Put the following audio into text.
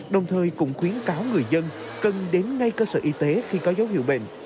đồng thời cũng khuyến cáo người dân cần đến ngay cơ sở y tế khi có dấu hiệu bệnh